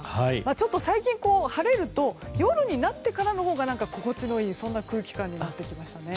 ちょっと最近、晴れると夜になってからのほうが心地のいい、そんな空気感になってきましたね。